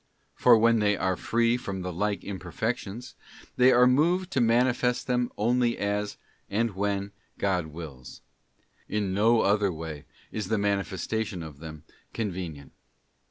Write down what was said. For when they are free from the like imperfections, they are moved to manifest them only as, and when, God wills; in no other way is the manifestation of them convenient.